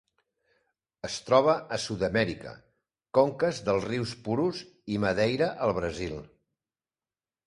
Es troba a Sud-amèrica: conques dels rius Purus i Madeira al Brasil.